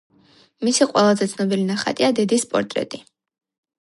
მისი ყველაზე ცნობილი ნახატია „დედის პორტრეტი“.